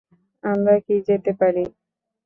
আমরা কি যেতে পারি?